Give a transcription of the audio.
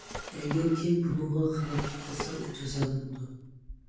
ئەگەر كىم بۇنىڭغا خىلاپلىق قىلسا، ئۇ جازالىنىدۇ.